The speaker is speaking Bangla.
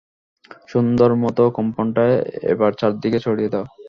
সুন্দরমত কম্পনটা এবার চারদিকে ছড়িয়ে দাও!